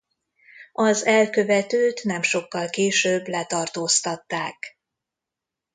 Az elkövetőt nem sokkal később letartóztatták.